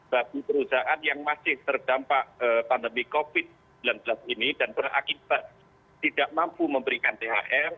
bagi perusahaan yang masih terdampak pandemi covid sembilan belas ini dan berakibat tidak mampu memberikan thr